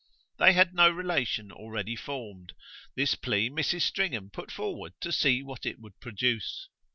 They had no relation already formed; this plea Mrs. Stringham put forward to see what it would produce.